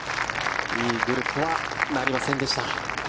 イーグルとはなりませんでした。